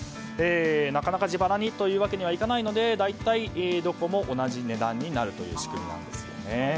なかなか自腹にというわけにはいかないので大体、どこも同じ値段になるという仕組みなんですね。